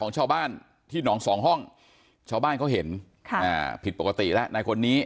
ชาวบ้านเขาเห็นผิดปกติแล้ว